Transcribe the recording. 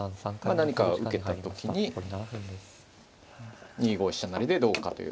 何か受けた時に２五飛車成でどうかという。